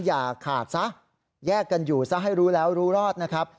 อย่าขาดซะแยกกันอยู่ซะให้รู้แล้วรู้รอดนะครับ